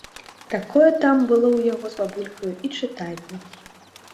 Такое там было ў яго з бабулькаю і чытанне.